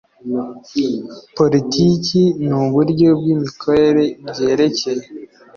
Politiki n uburyo bw imikorere byerekeye